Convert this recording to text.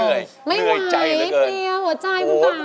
ไม่ไหวเพลียวหัวใจคุณป่า